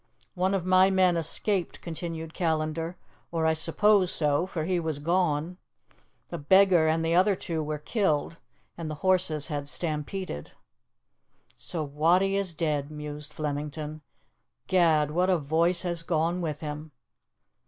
"One of my men escaped," continued Callandar, "or I suppose so, for he was gone. The beggar and the other two were killed, and the horses had stampeded." "So Wattie is dead," mused Flemington. "Gad, what a voice has gone with him!"